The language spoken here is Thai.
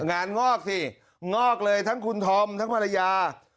งานงอกสิงอกเลยทั้งคุณธอมทั้งภรรยา